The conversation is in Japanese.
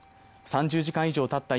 ３０時間以上たった